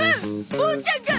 ボーちゃんが！